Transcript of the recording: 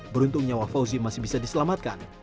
beruntung nyawa fauzi masih bisa diselamatkan